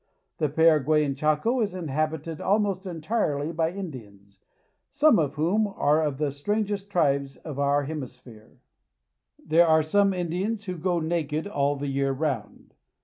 The Paraguayan Chaco is inhabited almost entirely by Indians, some of whom are of the strangest tribes of our hemisphere. j^^^ Indian There are some Indians who go naked all the year round.